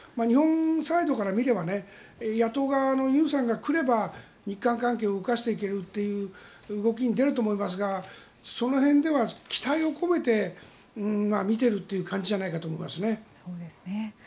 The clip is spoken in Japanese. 日本サイドから見れば野党側のユンさんが来れば日韓関係を動かしていけるという動きに出ると思いますがその辺では期待を込めて見ているという感じじゃないかと思いますね。